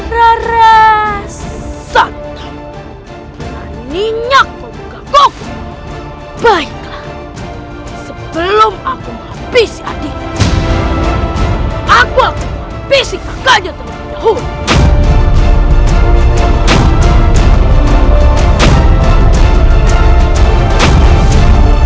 rara satam berani nyokpukaku baiklah sebelum aku menghapisi adik aku akan menghapisi kakaknya terlebih dahulu